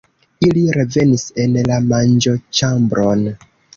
Ili revenis en la manĝoĉambron.